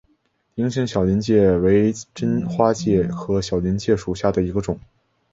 菱形小林介为真花介科小林介属下的一个种。